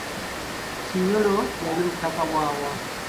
Kinyolo yali mutaka waawa?